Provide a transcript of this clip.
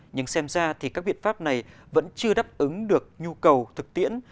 nhưng xem ra thì các biện pháp này vẫn chưa đáp ứng được nhu cầu thực tiễn